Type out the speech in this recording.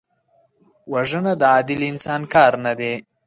وژنه د عادل انسان کار نه دی